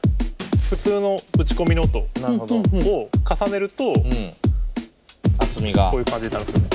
普通の打ち込みの音を重ねるとこういう感じになるんですよね。